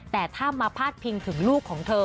แต่ถ้ามาพาดพิงถึงลูกของเธอ